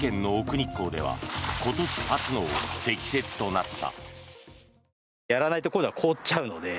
日光では今年初の積雪となった。